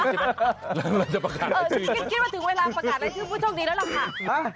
พี่คิดมาถึงเวลาประกาศนี้เป็นผู้โชคดีรึเหรอค่ะ